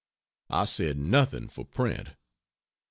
I said nothing for print.